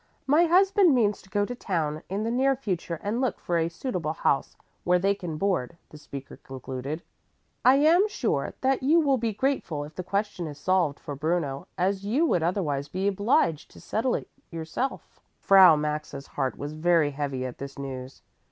"My husband means to go to town in the near future and look for a suitable house where they can board," the speaker concluded. "I am sure that you will be grateful if the question is solved for Bruno, as you would otherwise be obliged to settle it yourself." Frau Maxa's heart was very heavy at this news.